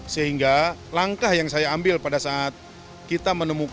sehingga langkah yang saya ambil pada saat kita menemukan limbah limbah yang dikeluarkan oleh pabrik pabrik